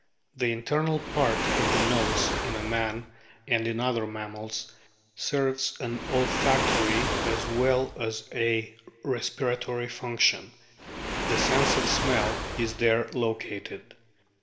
The internal part of the nose in man and in other mammals serves an olfactory as well as a respiratory function. The sense of smell is there located.